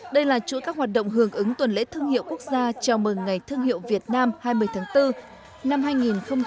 đây là chuỗi các hoạt động hưởng ứng tuần lễ thương hiệu quốc gia chào mừng ngày thương hiệu việt nam hai mươi tháng bốn năm hai nghìn hai mươi